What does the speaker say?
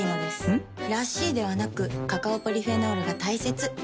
ん？らしいではなくカカオポリフェノールが大切なんです。